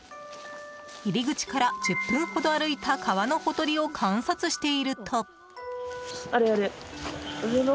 入り口から１０分ほど歩いた川のほとりを観察していると。